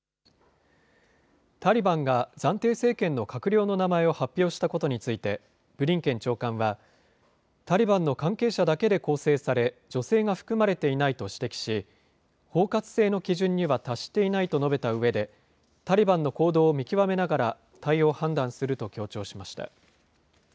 タリバンが暫定政権の閣僚の名前を発表したことについて、ブリンケン長官は、タリバンの関係者だけで構成され、女性が含まれていないと指摘し、包括性の基準には達していないと述べたうえで、タリバンの行動を見極めながら、対応を判断すると強調しました。